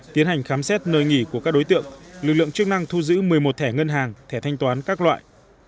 tiến hành khám xét nơi nghỉ của các đối tượng lực lượng chức năng thu giữ một mươi một thẻ ngân hàng thẻ thanh toán các loại